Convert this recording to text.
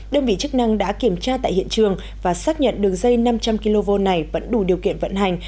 đơn vị chức năng đã kiểm tra tại hiện trường và xác nhận đường dây năm trăm linh kv này vẫn đủ điều kiện vận hành